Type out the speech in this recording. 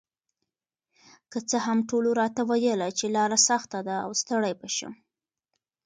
که څه هم ټولو راته ویل چې لار سخته ده او ستړې به شم،